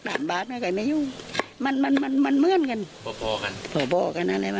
ทำงานต้องการ